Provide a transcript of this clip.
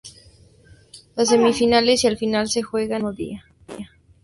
Las semifinales y la final se juegan en el mismo día.